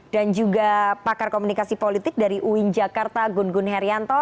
dan juga pakar komunikasi politik dari uin jakarta gun gun herianto